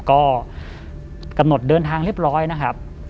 ก็กำหนดเดินทางเรียบร้อยนะครับ